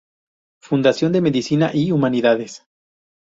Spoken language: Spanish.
Fundación Medicina y Humanidades.